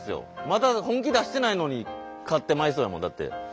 まだ本気出してないのに勝ってまいそうやもんだって。